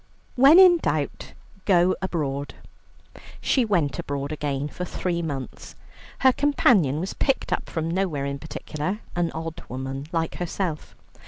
When in doubt, go abroad. She went abroad again for three months. Her companion was picked up from nowhere in particular, an odd woman like herself.